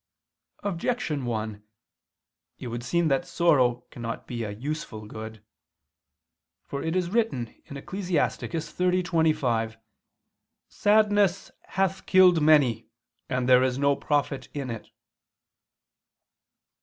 Objection 1: It would seem that sorrow cannot be a useful good. For it is written (Ecclus. 30:25): "Sadness hath killed many, and there is no profit in it."